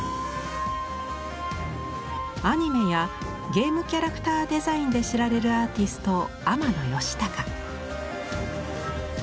アニメやゲームキャラクターデザインで知られるアーティスト天野喜孝。